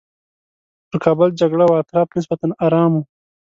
پر کابل جګړه وه اطراف نسبتاً ارام وو.